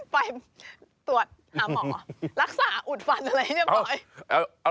ไปตรวจหาหมอรักษาอุดฟันอะไรอย่างนี้บ่อย